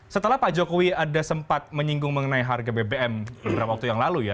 setelah pak jokowi ada sempat menyinggung mengenai harga bbm beberapa waktu yang lalu ya